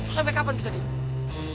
sampai kapan kita diem